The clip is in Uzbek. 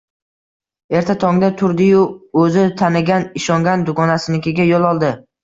Erta tongda turdi-yu, o`zi tanigan, ishongan dugonasinikiga yo`l oldi